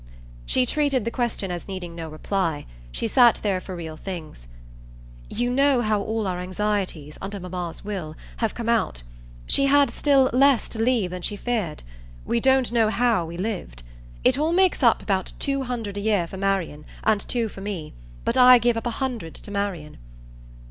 She treated the question as needing no reply; she sat there for real things. "You know how all our anxieties, under mamma's will, have come out. She had still less to leave than she feared. We don't know how we lived. It all makes up about two hundred a year for Marian, and two for me, but I give up a hundred to Marian."